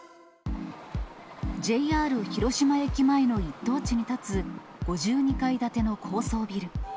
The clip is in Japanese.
ＪＲ広島駅前の一等地に建つ５２階建ての高層ビル。